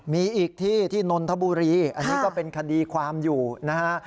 มีอีกที่ที่นนทบุรีอันนี้ก็เป็นคดีความอยู่นะฮะ